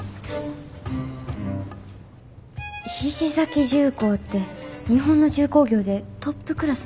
菱崎重工って日本の重工業でトップクラスの会社やんな。